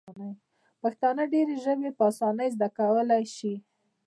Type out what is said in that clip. پښتانه ډیري ژبي په اسانۍ زده کولای سي.